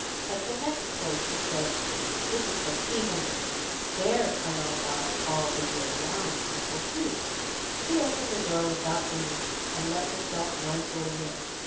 At the next place she said: "This is the Clevingers'. They're some of our all the year round people too." She opened the door without ringing, and let herself noisily in.